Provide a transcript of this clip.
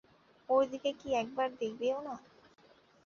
ওর দিকে কী একবার দেখবেও না?